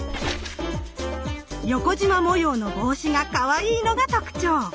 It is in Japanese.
横じま模様の帽子がかわいいのが特徴。